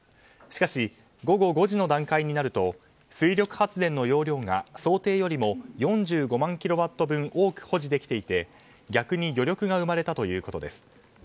しかし、午後５時の段階になると水力発電の容量が想定よりも４５万キロワット分多く保持できていて逆に余力が生まれたということです。